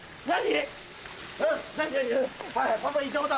何？